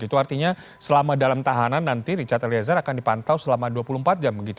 itu artinya selama dalam tahanan nanti richard eliezer akan dipantau selama dua puluh empat jam begitu